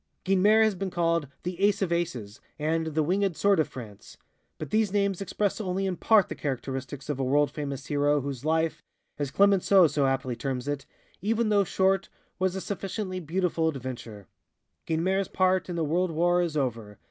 Guynemer has been called "The Ace of Aces" and "The Wingèd Sword of France"; but these names express only in part the characteristics of a world famous hero whose life, as Clemenceau (klem' ahng so) so aptly terms it, "even though short, was a sufficiently beautiful adventure." Guynemer's part in the World War is over.